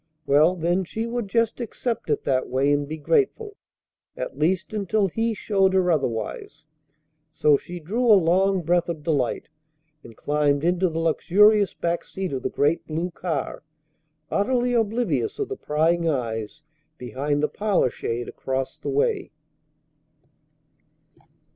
Well, then she would just accept it that way and be grateful, at least until He showed her otherwise. So she drew a long breath of delight, and climbed into the luxurious back seat of the great blue car, utterly oblivious of the prying eyes behind the parlor shade across the way.